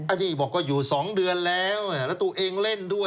อันนี้บอกก็อยู่๒เดือนแล้วแล้วตัวเองเล่นด้วย